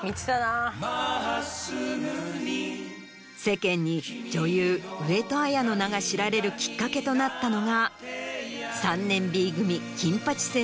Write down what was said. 世間に女優上戸彩の名が知られるきっかけとなったのが『３年Ｂ組金八先生』